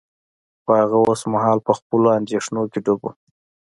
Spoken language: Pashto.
خو هغه اوس مهال په خپلو اندیښنو کې ډوب و